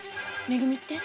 め組って？